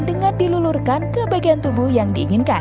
dengan dilulurkan ke bagian tubuh yang diinginkan